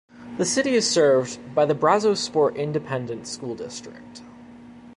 The city is served by the Brazosport Independent School District.